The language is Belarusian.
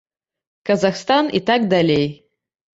Казахстан і так далей.